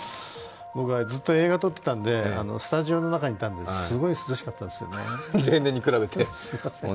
僕はずっと映画を撮っていたんでスタジオの中にいて、すごい涼しかったんですよね、すいません。